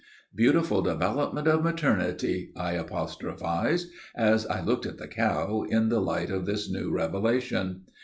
Beautiful development of maternity,' I apostrophized, as I looked at the cow in the light of this new revelation.